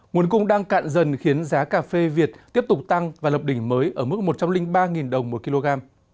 nguồn cung đang cạn dần khiến giá cà phê việt tiếp tục tăng và lập đỉnh mới ở mức một trăm linh ba đồng một kg